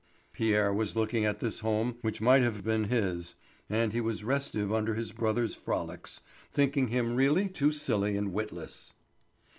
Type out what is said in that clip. Pierre was looking at this home which might have been his, and he was restive under his brother's frolics, thinking him really too silly and witless.